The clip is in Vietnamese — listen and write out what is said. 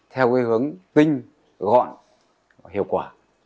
theo hướng tinh gọn hiệu quả